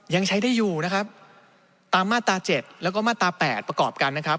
ยังใช้ได้อยู่นะครับตามมาตรา๗แล้วก็มาตรา๘ประกอบกันนะครับ